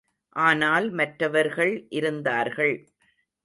ஆனால் மற்றவர்கள் இருந்தார்கள்.